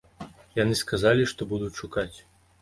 Яны сказалі, што будуць шукаць.